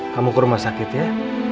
kamu kerumah sakit ya